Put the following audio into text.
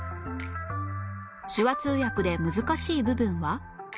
手話通訳で難しい部分は？